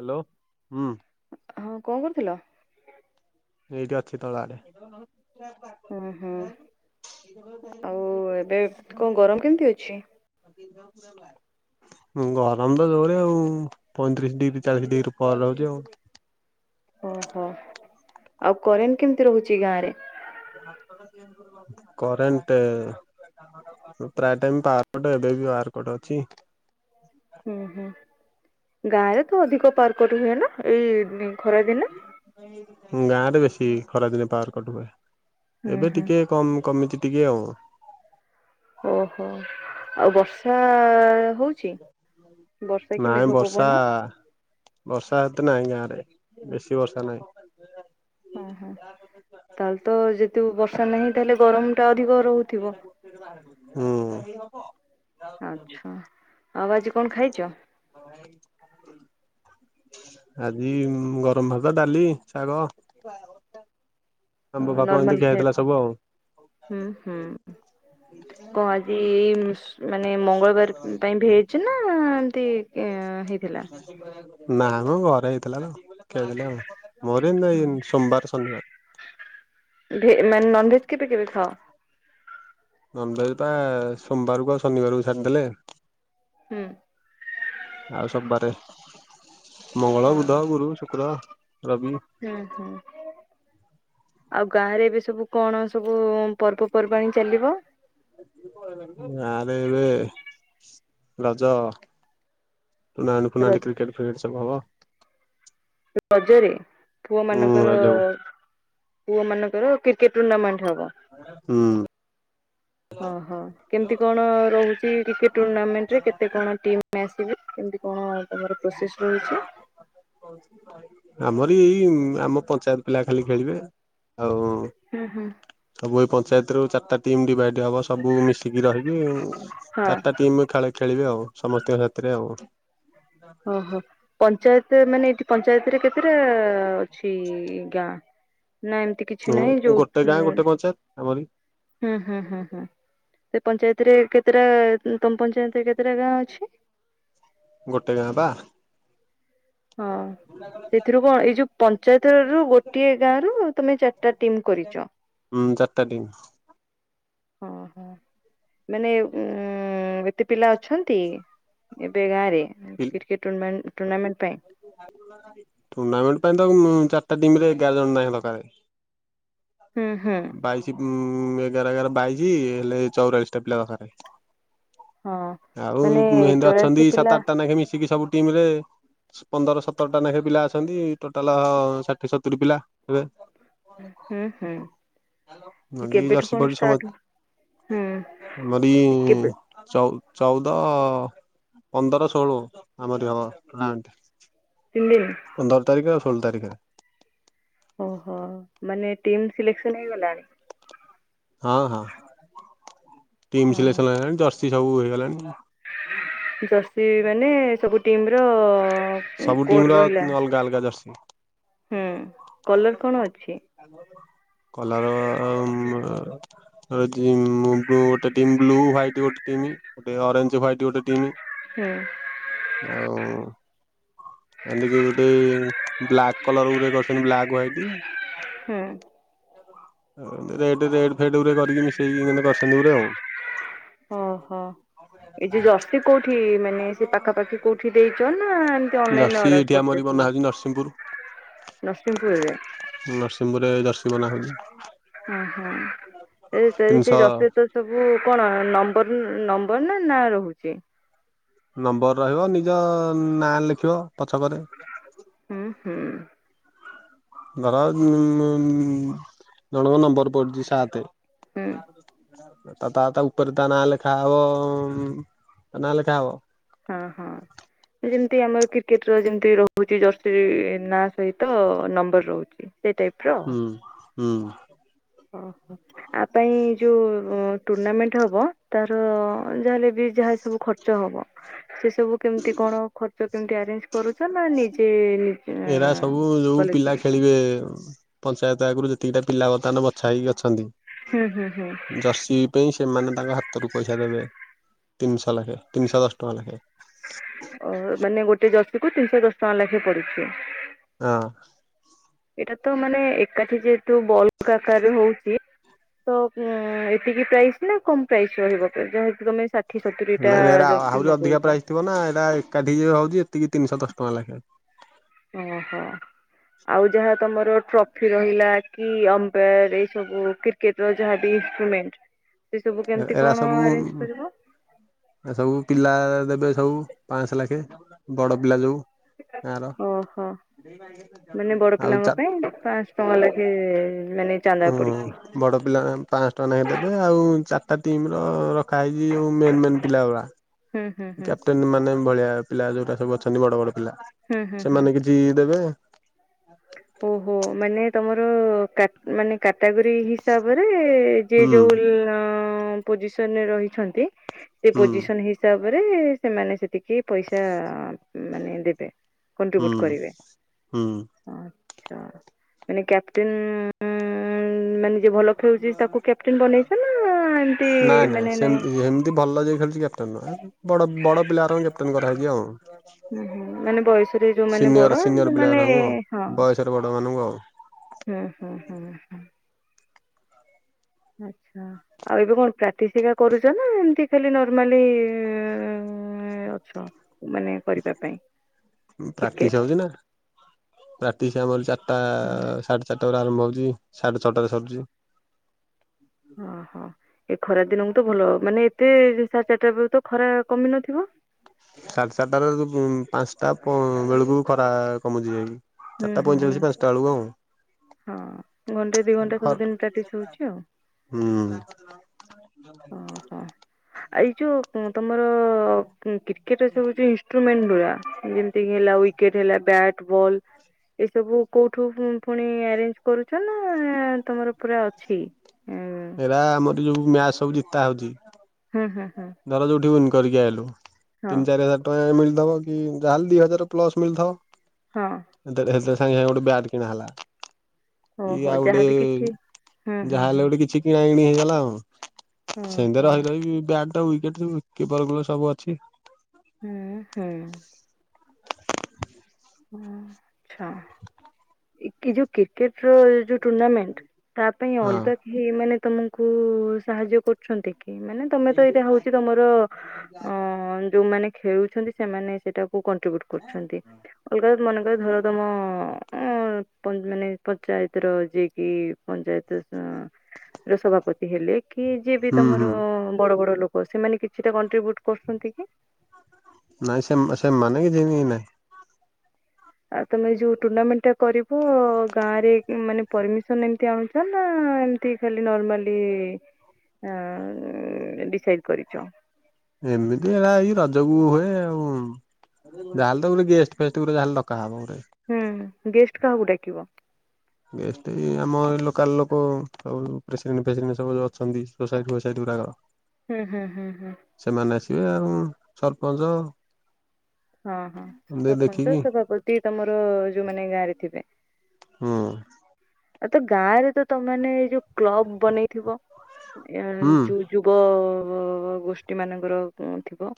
Hello ହୁଁ। ହଁ କଣ କରୁଥିଲ? ଏଇଠି ଅଛି ତଳେ ଆଡେ। ଉଁ ହୁଁ ଆଉ ଏବେ କଣ ଗରମ କେମିତି ଅଛି? ଉଁ ଗରମ ତ ଯୋରେ ଆଉ ପଇଁତିରିଶ ଡିଗ୍ରୀ ଚାଳିଶ ଡିଗ୍ରୀ ପରେ ରହୁଛି ଆଉ। ଓହୋ ଆଉ କରେନ କେମିତି ରହୁଛି ଗାଁ ରେ। କରେଣ୍ଟ। ପ୍ରାୟ ଟାଇମ ପାରକଟ ଏବେ ବି ପାରକଟ ଅଛି। ହୁଁ ହୁଁ ଗାଁ ରେ ତ ଅଧିକ ପାରକଟ ହୁଏ ନା ଏଇ ଖରାଦିନେ। ଗାଁ ରେ ବେଶୀ ଖରାଦିନେ ପାରକଟ ହୁଏ ହୁଁ ଏବେ ହୁଁ ଟିକେ କମ କମିଛି ଟିକେ ଆଉ। ଓହୋ ଆଉ ବର୍ଷା ହଉଛି। ବର୍ଷା କି ମେଘ ନାଇଁ ବର୍ଷା। ପବନ? ବର୍ଷା ହେତେ ନାହିଁ ଗାଁରେ ବେଶୀ ବର୍ଷା ନାହିଁ। ଓହୋ ତାହେଲେ ତ ଯେତୁ ବର୍ଷା ନାହିଁ ତାହେଲେ ଗରମ ଟା ଅଧିକ ରହୁଥିବ। ହୁଁ। ଆଛା ଆଉ ଆଜି କଣ ଖାଇଛ? ଆଜି ଗରମ ଭାତ ଡାଲି ଶାଗ। ଟା [unintelligible] ହଁ ନର୍ମାଲ ଖାଇବା। ଆଉ। ଉଁ ହୁଁ କଅ ଆଜି ମାନେ ମଳିବାର ପାଇଁ ଭଇଛି ନା ଏମତି [unintelligible] ହେଇଥିଲା? ନା ମ ଘରେ ହେଇଥିଲା ନା ଖିଆହେଇଥିଲା ଆଉ। ମୋର ହିନ୍ତୀ ନାହିଁ ସୋମବାର ଶନିବାର। ଭେ ମାନେ ନନ ଭେଜ କେବେ କେବେ ଖାଅ? ନନଭେଜ ବା ସୋମବାରକୁ ଆଉ ଶନିବାରକୁ ଛାଡିଦେଲେ। ହୁଁ। ଆଉ ସବାରେ ମଙ୍ଗଳ ହଁ ବୁଧ ଗୁରୁ ଶୁକ୍ର। ରବି। ହୁଁ ହୁଁ। ଆଉ ଗାଁ ରେ ଏବେ ସବୁ କଣ ସବୁ ପର୍ବପର୍ବାଣିୀ ଚାଲିବ? ଗାଁରେ ଏବେ ରଜ। ପଣାଲି କୁଣାଲି କ୍ରିକେଟ ଫ୍ରିକେଟ ସବୁ ହବ। ରଜରେ ପୁଅ ହୁଁ ମାନଙ୍କର ରଜକୁ ପୁଅ ମାନଙ୍କର କ୍ରିକେଟ ଟୁର୍ଣ୍ଣାମେଣ୍ଟ ହବ। ହୁଁ। ହଁ ହଁ। କେମିତି କଣ ରହୁଛି କ୍ରିକେଟ ଟୁର୍ଣ୍ଣାମେଣ୍ଟ ରେ କେତେ କଣ ଟିମ ଆସିବେ କେମିତି କଣ ତମର ପ୍ରୋସେସ୍ ରହିଛି? ଆମରି ଏଇ ଆମ ପଞ୍ଚାୟତ ପିଲା ଖାଲି ଖେଳିବେ ଆଉ ହୁଁ ହୁଁ। ସବୁ ଏଇ ପଞ୍ଚାୟତ ରୁ ଚାରିଟା ଟିମ୍ ଡିଭାଇଡ ହବ ସବୁ ମିଶିକି ରହିବେ ଆଉ। ହଁ। ଚାରିଟା ଟିମ୍ ଖେଳ ଖେଳିବେ ଆଉ ସମସ୍ତଙ୍କ ସାଥିରେ ଆଉ। ଓହୋ ପଞ୍ଚାୟତ ମାନେ ପଞ୍ଚାୟତରେ କେତେଟା ଅଛି ଗାଁ? ନା ଏମିତି କିଛି ନାହିଁ ହୁଁ ଯୋଉ ଗୋଟେ ଗାଁ ଗୋଟେ ପଞ୍ଚାୟତ ଆମରି ହୁଁ ହୁଁ ସେ ପଞ୍ଚାୟତରେ କେତେଟା ତମ ପଂଚାୟତ ରେ କେତେ ଟା ଗାଁ ଅଛି? ଗୋଟେ ଗାଁ ପା। ହଁ। ସେଥିରୁ କଣ ଏଇ ଯୋଉ ପଞ୍ଚାୟତ ରୁ ଗୋଟିଏ ଗାଁ ରୁ ତମେ ଚାରିଟା ଟିମ୍ କରିଛ। ହୁଁ ଚାରିଟା ଟିମ୍। ଓଁ ହୋ। ମାନେ ଏତେ ପିଲା ଅଛନ୍ତି ଏବେ ଗାଁ ରେ? କ୍ରିକେଟ ଟୁର୍ଣାମେଣ୍ଟ ପାଇଁ। ଟୁର୍ଣ୍ଣାମେଣ୍ଟ ପାଇଁ ତ ଚାରିଟା ଟିମରେ ଏଗାର ଜଣ ହିଁ ଦରକାର। ହୁଁ ହୁଁ। ବାଇଶି ଉ ଏଗାର ଏଗାର ବାଇଶି ହେଲେ ଚଉରାଳିଶ ଟା ପିଲା ଦରକାର। ହଁ ଆଉ ମାନେ ସେମିତି ଚଉରାଶୀ ଅଛନ୍ତି ପିଲା ସାତ ଆଠଟା ଲେଖେ ମିଶିକି ସବୁ ଟିମ ରେ। ପନ୍ଦର ସତରଟା ଲେଖେ ପିଲା ଅଛନ୍ତି ଟୋଟାଲ ଷାଠିଏ ସତୁରି ପିଲା ହେବେ। ହୁଁ ହୁଁ ନଦି କେବେଠୁ କଣ ଜର୍ସି ଫର୍ସି ଷ୍ଟାର୍ଟ ସମ ହୁଁ ଆମରି କେବେ ଚଉ ଚଉଦ ପନ୍ଦର ଷୋହଳ ଆମରି ହବ ଟୁର୍ଣ୍ଣାମେ୍ଟ। ତିନି ଦିନ? ପନ୍ଦର ତାରିଖ ଆଉ ଷୋଳ ତାରିଖରେ। ଓହୋ ମାନେ ଟିମ୍ ସିଲେକ୍ସନ ହେଇଗଲାଣି? ହଁ। ଟିମ୍ ସିଲେକ୍ସନ୍ ହଁ। ହେଇଗଲାଣି ଜର୍ସି ସବୁ ହେଇଗଲାଣି। ଜର୍ସି ମାନେ ସବୁ ଟିମ୍ ର ସବୁ ଟିମ୍ କୋଡ୍ ର ରହିଲା। ଅଲଗା ଅଲଗା ଜର୍ସି ହୁଁ କଲର କଣ ଅଛି? [unintelligible] ରହିଛି ଉ ବ୍ଲୁ ଗୋଟେ ଟିମ୍ ବ୍ଲୁ ୱାଇଟ୍ ଗୋଟ ଟିମ୍ ଗୋଟେ ଅରେଞ୍ଜ ୱାଇଟ୍ ଗୋଟେ ଟିମ୍ ହୁଁ। ଆଉ ଏମତିକି ଗୋଟେ ବ୍ଲାକ୍ କଲର ଗୁରେ କରିଛନ୍ତି ବ୍ଲାକ୍ ହ୍ୱାଇଟି ହୁଁ। ରେଟ୍ ଫେଟ୍ ଇରା କରିକି ମିଶେଇକିତି କରିଛନ୍ତି ପୁରା ଆଉ। ଓହୋ। ଏଇ ଯଉ ଜର୍ସି କୋଉଠି ମାନେ ସେ ପାଖାପାଖି କୋଉଠି ଦେଇଛ ନା ଏମିତି ଅନଲାଇନ ଜର୍ସି ଅର୍ଡର। ଏଠି ଆମରି କରିଦେଇଥିଲ? ବନାହଉଛି ନରସିଂହପୁର। ନରସିଂହପୁରରେ? ନରସିଂହପୁରରେ ଜର୍ସି ବନାହଉଛି। ଓହୋ ସେ ସେଇ ତିନିଶହ ଜର୍ସି ଭି ସବୁ କଣ ନମ୍ବର ନମ୍ବର ନା ନାଁ ରହୁଛି? ନମ୍ବର ରହିବ ନିଜ ନାଁ ଲେଖିବ ପଛକରେ। ହୁଁ ହୁଁ। ଧର ଉଁ ଜଣଙ୍କ ନମ୍ବର ପଡୁଚି ସାତେ। ହୁଁ ତା ତା ତା ଉପରେ ତା ନା ଲେଖା ହବ ଉଁ ନା ଲେଖା ହବ। ହୁଁ, ହଁ। ଏଇ ଯେମିତି ଆମର କ୍ରିକେଟର ଯେମିତି ରୋହୁଛି ଜର୍ସି ନା ସହିତ ନମ୍ବର ରୋହୁଛି। ସେଇ ଟାଇପର ଆଉ ହୁଁ ହୁଁ ଅଃ। ଆ ପାଇଁ ଯୋଉ ଟୁର୍ଣାମେଣ୍ଟ ହବ ତାର ଯାହାହେଲେ ବି ଯାହା ସବୁ ଖର୍ ର୍ଚ୍ଚ ହବ ସେ ସବୁ କେମିତି କଣ ଖର୍ଚ୍ଚ କେମିତି ଆରେଞ୍ଜ କରୁଚ ନା ନିଜେ। [unintelligible] ରା ସବୁ ଯୋଉ କଲେକ୍ଟ ପିଲା କରୁଛ ଖେଳିବେ [unintelligible] ପଞ୍ଚାୟତ ଆଗୁରୁ ଯେତିକିଟା ପିଲା ବର୍ତ୍ତମାନ ବଛା ହେଇକି ଅଛନ୍ତି ହୁଁ ହୁଁ ହୁଁ ଜର୍ସି ପାଇଁ ସେମାନେ ତାଙ୍କ ହାତରୁ ପଇସା ଦେବେ ତିନିଶହ ଲାଖେ ତିନିଶହ ଦଶ ଟଙ୍କା ଲାଖେ। ଓହୋ ମାନେ ଗୋଟେ ଜର୍ସିିକୁୁ ତିନିଶହ ଦଶ ଟଙ୍କା ଲାଖେ ପଡୁଛି। ହଁ। ଏଟା ତ ମାନେ ଏକାଠି ଯେହେତୁ [unintelligible] ଆକାରରେ ହୋଉଛି ତ ଉଁ ଏତିକି ପ୍ରାଇସ୍ ନା କମ ପ୍ରାଇସ୍ ରହିବ ଯେହେତୁ ତମେ ଷା ଠିଏ ସତୁରିଟା ନାଇଁ ଏରା ଜର୍ସି ଆହୁରି ଅଧିକା ମଗୋଉଚ। ପ୍ରାଇସ୍ ଥିବ ନା ଏଟା ଏକାଠି [unintelligible] ହୋଉଛି ଏତିକି ତିନିଶହ ଦଶ ଟଙ୍କା ଲାଖେ। ଓହୋ। ଆଉ ଯାହା ତମର ଟ୍ରଫି ରହିଲା କି ଅମ୍ପାୟାର ଏଇ ସବୁ କ୍ରି କେଟ୍ ଯାହାବି ଇନଷ୍ଟ୍ରୁମେଣ୍ଟ ସେ ସବୁ କେମିତି କଣ ଆରେଞ୍ଜ କରିବ। ହେ ସବୁ ପିଲା ଦେବେ ସବୁ ପାଁଆଶ ଲାଖେ ବଡ ପିଲା ଯୋଉ ଗାଁର ଓହୋ ମାନେ ବଡ ଆଉ ପିଲାଙ୍କ ଚା ପାଇଁ ପାଁଶ ଶହ ଲାଖେ ମାନେ ଚାନ୍ଦା ହୁଁ ପଡିଛି। ବଡ ପିଲା ପାଁଆଶ ଟଙ୍କା ନାଖେ ଦେବେ ଆଉ ଚାରଟା ଟିମ ର ରଖା ହେଇଚି ଯୋଉ ମେନ୍ ମେନ୍ ପିଲା ଗୁରା। ହୁଁ ହୁଁ ହୁଁ। [unintelligible] ମାନେ ଭଳିଆ ପିଲା ଯୋଉଟା ସବୁ ଅଛନ୍ତି ବଡ ବଡ ପିଲା ହୁଁ ହୁଁ ହୁଁ। ସେମାନେ କିଛି ଦେବେ। ଓହୋ ମାନେ ତମର କା ମାନେ କାଟାଗୋରୀ ହିସାବରେ ଯିଏ ହୁଁ ଯୋଉ ଉଲ ପୋଜିସନ୍ ରେ ରହିଛନ୍ତି ସେ ହୁଁ ପୋଜିସନ୍ ହିସାବରେ ସେମାନେ ସେତିକି ପଇସା ମାନେ ଦେବେ ହୁଁ କଣ୍ଟ୍ରିବୁଟ କରିବେ ହୁଁ। ହଁ। ଚ୍ଛା ମାନେ କ୍ୟାପଟେନ୍ ଉଁ ଉଁ ମାନେ ଯିଏ ଭଲ ଖେଳୁଛି ତାକୁ କ୍ୟାପଟେନ୍ ବନେଇଛ ନା ଏମିତି ମାନେ ନାଇଁ ତି ଭଲ ଯାଏ ଖେଳଛି କ୍ୟାପଟେନ୍ ନୁହଁ ବଡ ବଡ ପିଲା ଗୁରାଙ୍କୁ କ୍ୟାପଟେନ୍ କରାହେଇଛି ଆଉ। ହୁଁ ହୁଁ ମାନେ ବୟସରେ ଯୋଉମାନେ ବଡ ଯୋଉମାନେ ହଁ। [unintelligible] ବଡ଼ ମାନଙ୍କୁ ଆଉ। ହୁଁ ହୁଁ ହୁଁ ହୁଁ। ଆଚ୍ଛା। ଆଉ ଏବେ କଣ ପ୍ରାଟିସ୍ ହେକା କରୁଚ ନା ଏମିତି ଖାଲି ନର୍ମାଲି। [unintelligible] ଏଁ ଅଛ ମାନେ କରିବା ପାଇଁ ପ୍ରାଟିସ୍ କ୍ରିକେଟ୍? ହୋଉଚି ନା। ପ୍ରାଟିସ୍ ଆମର ଚାରଟା ହଁ। ସାଢେ ଚାରଟା ପରେ ଆରମ୍ଭ ହୋଉଚି ସାଢେ ଛଅଟାରେ ସରୁଛି। ଅଃ ଏ ଖରା ଦିନକୁ ତ ଭଲ ମାନେ ଏତେ [unintelligible] ଚାରଟା ବେଳୁକୁ ତ ଖରା କମି ନଥିବ। ସାଢ଼ ଚାରଟାରେ [unintelligible] ପାନ୍ସଟା ପ ବେଳୁକୁ ଖରା କମୁଚି ଯାଇଁକି। ହୁଁ ଚାରଟା ହୁଁ ହୁଁ। ପଇଁଚାଳିଶ ପାଞ୍ଚଟା ଆଳୁକୁ ଆଉ। ହଁ ଘଣ୍ଟେ ଦି ଘଣ୍ଟା [unintelligible] ସବୁଦିନ ପ୍ରାକ୍ଟିସ୍ ହଉଛି ଆଉ। ହୁଁ। [unintelligible] ଆଇ ଯୋଉ ଉଁ ତମର କ୍ରିକେଟ ସବୁ ଯୋଉ ଇସ୍ ଷ୍ଟ୍ରୁମେଣ୍ଟ ଗୁରା ଯେମିତି ହେଲା ୱିକେଟ ହେଲା ବ୍ୟାଟ୍, ବଲ୍ ଏସବୁ କୋଉଠୁ ପୁଁ ପୁଣି ଆରେଞ୍ଜ କରୁଛ ନା ତମର ପୁରା ଅଛି ଏଁ ଏରା ଆମର ଯୋଉ ମ୍ୟାଚ ସବୁ ଜିତା ହଉଛି ହୁଁ ହୁଁ ହୁଁ। ଧର ଯୋଉଠି ୱିନ୍ କରିକି ଆଇଲୁ ହଁ ତିନି, ଚାରି ହଜାର ଟଙ୍କା ମିଳିଥବ କି ଯାହେଲେ ଦି ହଜାର ପ୍ଲସ ମିଳିଥିବ। ହଁ। [unintelligible] ସାଙ୍ଗେ ସାଙ୍ଗେ ଗୋଟେ ବ୍ୟାଟ୍ କିଣାଣ ହେଲା। କି ଓହୋ ଆଉ ଗୋଟେ ଯାହାବି କିଛି ହୁଁ ହୁଁ ଯାହା ହୁଁ ହେଲେ ଗୋଟେ କିଛି କିଣା କିିଣି ହେଇଗଲା ଆଉ ସେମିତି ଓହୋ ରହି ରହି ବି‌ ବ୍ୟାଟ ତ ୱିକେଟ ବି କିପର ଗ୍ଲୋସ ସବୁ ଅଛି। ହୁଁ ହୁଁ ହୁଁ ଆଛା ଯୋଉ କ୍ରିକେଟ ର ଯୋଉ ଟୁର୍ଣ୍ଣାମେଣ୍ଟ ତା ପାଇଁ ହଁ। ଅଲଗା ହ ମାନେ ତମକୁ ସାହାଯ୍ୟ କରୁଛନ୍ତି କି ମାନେ ତମେ ତ ଏଇଟା ହଉଛି ତମର ଅ ଯୋଉମାନେ ଖେଳୁଛନ୍ତି ସେମାନେ ସେଇଟା କ କରୁ ଅଲଗା ମେକ ଧର ତମ ହଁ ମାନେ ପଞ୍ଚାୟତର ଯିଏକି ପଞ୍ଚାୟତ ର ସଭାପତି ହେଲେ କି ଯିଏ ବି ହୁଁ ହୁଁ ତମର ବଡ ବଡ ଲୋକ ହ ସେମାନେ କିଛିଟା କଣ୍ଟ୍ରିବ୍ୟୁଟ କରୁଛନ୍ତି କି ନାଇଁ ସେ ସେମାନେ କିଛିିନି ନାଇଁ ଆଉ ତମେ ଯୋଉ ଟୁର୍ଣ୍ଣାମେଣ୍ଟ ଟା କରିବ ଗାଁରେ ମାନେ ପରମିସନ ଏମତି ଆଣୁ ଏମତି ଖାଲି ନର୍ମାଲି ଡିସାଇଡ କରିଛ ଏମିତି ହେଲା ଏଇ ରଜକୁ ହୁଏ ଆଉ ଯାହାଲେ ଗୋଟ ଗେଷ୍ଟ ଫେ ଯାହାଲେ ଦକାା ହବ ଗୋେ ହୁଁ ଗେଷ୍ଟ କାହାକୁ ଡାକିବ ଗେଷ୍ଟ ଏ ଆମ ଏଇ ଲୋକାଲ ଲୋକ ସବୁ ପ୍ରେସିଡେଣ୍ଟ ଫେସିଡେଣ୍ଟ ସବୁ ଅଛନ୍ତି ସୁସାଇଟୁାଇ ଦୁାର ହୁଁ ହୁଁ ହୁଁ ହୁଁ ସେମାନେ ଆସିବେ ଆଉ ସରପଞ୍ଚ ହଁ ହଁ ଦେ ସରପଞ୍ଚ ଦେଖିକି ସଭାପତି ତମର ଯୋଉମାନୋନେ ଗାଁ ରେ ଥିବେ ହଁ ଆ ତ ଗାଁ ରେ ତ ତମେ ଏଇ ଯୋଉ କ୍ଲବ ବନେଇଥିବ ଯୁବ ଗୋଷ୍ଠୀ ମାନଙ୍କର ଥିବ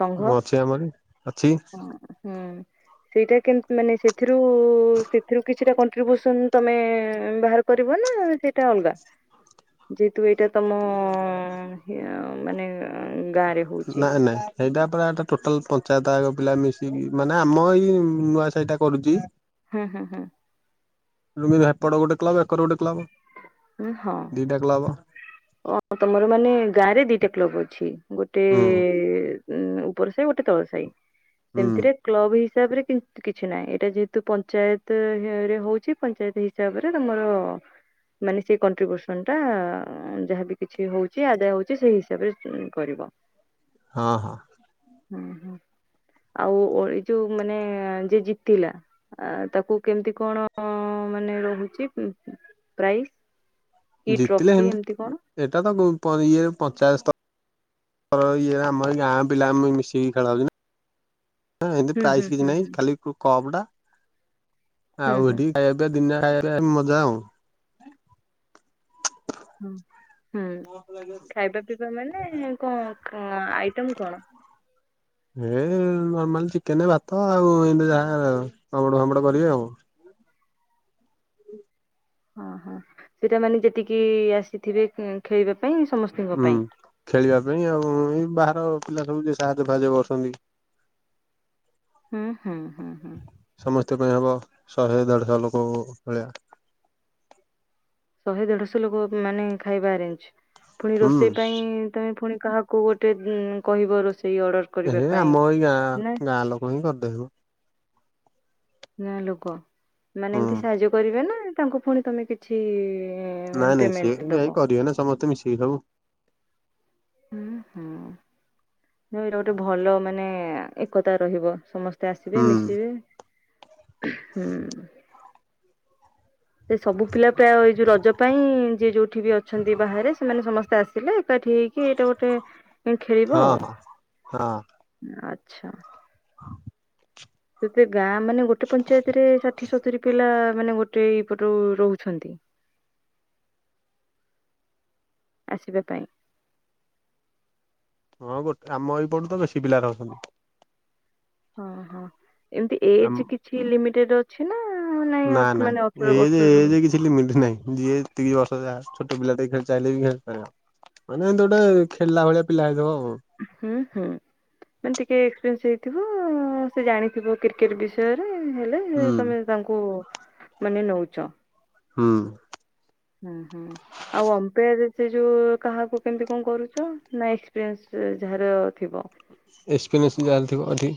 ସଂଘ ହୁଁ ଅଛି ଆମରି ଅଛି। ହୁଁ ସେଇଟା କେ ମାନେ ସେ ଏଥିରୁ ସେଥିରୁ କିଛିଟା କଣ୍ଟ୍ରିବ୍ୟୁସନ୍ ତମେ ବାହାର କରିବ ନା ସେଇଟା ଅଲଗା ଯେହେତୁ ଏଇଟା ତମ ମାନେ ଗାଁରେ ହେଉଛି ନାଇଁ ନାଇଁ ସେଇଟା ପୁରା ଟୋଟାଲ ପଞ୍ଚାୟତ ଆାଗ ପିଲା ମିଶିକି ମାନେ ଆମ ଏଇ ନୂଆ ସେଇଟା କରୁଛି ହୁଁ ହୁଁ ହୁଁ ି ହେପ ଗୋଟେ କ୍ବ ଏକରୋେ କ୍ଲବ ଉ ହଁ ଦିଟା କ୍ଲବ ତମର ମାନେ ଗାଁ ରେ ଦିଟା କ୍ଲବ ଅଛି ଗୋଟେ ଗୋଟେ ହୁଁ ଉ ଉପର ସାହି ଗୋଟେ ତଳ ସାହି ହୁଁ ସେମିତିରେ କ୍ଲବ ହିସାବରେ କିଛି ନାହିଁ ଏଇଟା ଯେହେତୁ ପଞ୍ଚାୟତରେ ହଉଛି ପଞ୍ଚାୟତ ହିସାବରେ ତମର ମାନେ ସେଇ କଣ୍ଟ୍ରିବ୍ୟୁସନ ଟା ଯାହାବି କିଛି ହଉଛି ଆଦାୟ ହଉଛି ସେଇ ହିସାବରେ କରିବ [inaudible] ହଁ ହଁ ହୁଁ ହୁଁ ଆଉ ଯୋଉ ମାନେ ଯ ଜିତିଲା ଆ ତାକୁ କେମିତି କଣ ମାନେ ରହୁଛି ପ୍ରାଇସ୍ କି ଜିତିଲେ ଟ୍ରଫି ସେମିତି ଏମିତି କଣ? ଉଁ ଏଇଟା ତ ଗୁ ପ ଇଏ ପଚାଶ ତ। ଅ ଇଏ ଆମରି ଗାଁ ପିଲା ମି-ମିସିକି ଖେଳନ୍ତି ହଁ ଏମିତି ହୁଁ ହୁଁ ପ୍ରାଇସ୍ କିଛି ହୁଁ ନାହିଁ ହୁଁ। ଖାଲି କ-କପ ଟା ହୁଁ ଆଉ ହୁଁ ଏଠି। ଖାଇବା ପିଇବା ଦୁନିଆ ଖାଇବା ପିଇବା ଉଁ ମଜା ଆଉ। ହଁ ହୁଁ ଖାଇବା ପିଇବା ମାନେ ଙ୍କ ଅଁ ଆଇଟମ କଣ? ଏ ନର୍ମାଲ ଚିକେନ, ଭାତ ଆଉ ଏମିତି ଯାହା [unintelligible] ପାମ୍ପଡ ଫାମ୍ପଡ କରିବେ ଆଉ। ହଁ ହଁ ସେଇଟା ମାନେ ଯେତିକି ଆସିଥିବେ ଇଁ ଖେଳିବା ପାଇଁ ସମ ହୁଁ ଖେଳିବା ପାଇଁ ଆଉ ଏଇ ବାହାର ପିଲା ସବୁ ଯିଏ ସାହାଯ୍ୟ ଫାହାଜ୍ୟ କରୁଛନ୍ତି। ହୁଁ ହୁଁ ହୁଁ। ସମସ୍ତଙ୍କ ପାଇଁ ହବ ଶହେ ଦେଢ଼ଶହ ଲୋକ ଭଳିଆ। ଶହେ ଦେଢଶହ ଲୋକ ଉଁ ମାନେ ଖାଇବା ଆରେଞ୍ଜ ପୁଣି ହୁଁ ରୋଷେଇ ପାଇଁ ତମେ ପୁଣି କାହା କୁ ଗୋଟେ ଉଁ କହିବ ରୋଷେଇ ଅର୍ଡ଼ର। ଏ ଆମ ଏଇ ଗାଁ ଗାଁ ଲୋକ ହିଁ କରିଦେବେ ମ। ଗାଁ ଲୋକ ମାନେ ହୁଁ ଏମିତି ସାହାଯ୍ୟ କରିବେ ନା ତାଙ୍କୁ ପୁଣି ତମେ କିଛି। ମାନେ ନାଇଁ ନାଇଁ ସିଏ ପେମେଣ୍ଟ ଦବ। ଯାଇଁ କରିବେ ନା ସମସ୍ତେ ମିଶିକି ସବୁ। ହୁଁ ହୁଁ ଏଇଟା ଗୋଟେ ଭଲ ମାନେ ଏକତା ରହିବ ସମ ତେ ଆସିବେ ହୁଁ ମିଶିବେ ହୁଁ। ସେ ସବୁ ପିଲା ପ୍ରାୟ ଏଇ ଯୋଉ ରଜ ପାଇଁ ଯିଏ ଯୋଉଠି ବି ଅ ଅଛନ୍ତି ବାହାରେ ସେମାନେ ସମସ୍ତେ ଆସିଲେ ଏକାଠି ହେଇକି ଏଇଟା ଗୋଟେ ଏ ଖେଳିବ ହଁ ଆଉ। ହଁ ହଁ। ଆଚ୍ଛା। ସେଥିରେ ଗାଁ ମାନେ ଗୋଟେ ପଞ୍ଚାୟତ ରେ ଷାଠିଏ ସତୁୁରୀ ପିଲା ମାନେ ଗୋଟେ ଏଇପଟୁ ରହୁଛନ୍ତି। ଆସିବା ପାଇଁ। ହଁ ଗୋ ଆମ ଏଇପଟୁ ତ ବେଶୀ ପିଲା ରହୁଛନ୍ତି। ହଁ ହଁ ଏମିତି ଆମ ଏଜ କିଛି ଲିମିଟେଡ ଅ ଅଛି ନା ନାଇଁ ଅଟ ମାନେ ଅଠର ବର୍ଷରୁ। ଏଠି ଲିମିଟ ନାହିଁ ଯିଏ ଯେତିକି ବର୍ଷ ଯାହା ଛୋଟ ପିଲା ଟେ ଖେ ଚାହିଁଲେ ବି ଖେଳି ପାରିବ। ମାନେ ହେମିତି ଗୋଟେ ଖେଳିଲା ଭଳିଆ ପିଲା ହେଇଥିବ ଆଉ। ହୁଁ ହୁଁ। ମାନେ ଟିକେ ଏକ୍ସପେରିଏନ୍ସ ହେଇଥିବ ସେ ଜାଣିଥିବ କ୍ରିକେଟ ବିଷୟରେ ହେଲେ ଏ ହୁଁ ତମେ ତାଙ୍କୁ ମାନେ ନଉଛ। ହୁଁ। ହଁ ହୁଁ ଆଉ ଅମ୍ପେୟାରରେ ସେ ଯୋଉ କାହାକୁ କେମିତି କଣ କରୁଛ ନା ଏକ୍ସପେରିଏନ୍ସ। ସେ ଯାହାର ଥିବ। ଏସ୍ପିନେସନ ଯାହାର ଥିବ ଅଧି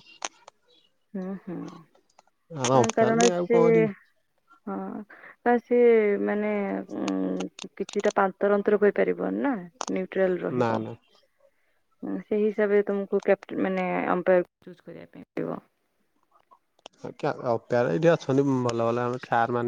ହୁଁ ଆଉ ହୁଁ ଆଁ ଅମ୍ପାୟାର କାରଣ ବି ଆଉ ସେ କଣ ଏଠି ହଁ। ବା ସେ ମାନେ ଉଁ କିଛିଟା ପାନ୍ତର ଅନ୍ତର କହିପାରିବ ନା। ନ୍ୟୁଟ୍ରାଲ ନା ରହିବ। ନା ହୁଁ ସେଇ ହିସାବରେ ତମକୁ୍ କ୍ୟାପଟ ମାନେ ଅମ୍ପାୟାର ଚୂଜ କରିବା ପାଇଁ ପଡିବ। କ୍ୟା ଅପେୟାର ଏଇଠି ଅଛନ୍ତି ଉଁ ଭଲ ଭଲ ଆମ ସାର୍ ମା